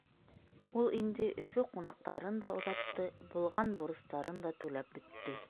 Ул инде Өфө ҡунаҡтарын да оҙатты, булған бурыстарын да түләп бөттө.